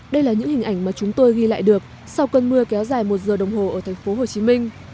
đây là những hình ảnh mà chúng tôi ghi lại được sau cơn mưa kéo dài một giờ đồng hồ ở thành phố hồ chí minh